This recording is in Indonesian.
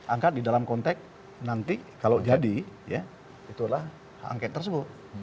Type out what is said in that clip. angka di dalam konteks nanti kalau jadi ya itulah angket tersebut